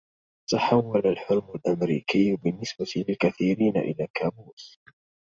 تحول الحلم الأمريكي بالنسبة للكثيرين الى كابوس.